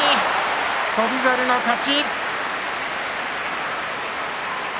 翔猿の勝ち。